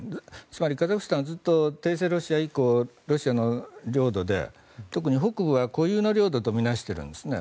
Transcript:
つまり、カザフスタンはずっと帝政ロシア以降ロシアの領土で特に北部は固有の領土と見なしているんですね。